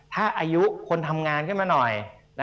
ถ้าอายุคนทำงานขึ้นมาหน่อย